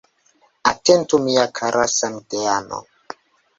Atentu mia kara samideano.